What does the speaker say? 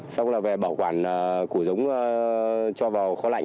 xong là về bảo quản củi giống cho vào kho lạnh